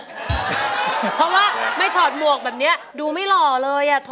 เพราะว่าไม่ถอดหมวกแบบเนี้ยดูไม่หรอ